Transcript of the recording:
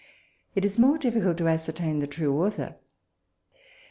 It is more difficult to ascertain the true author.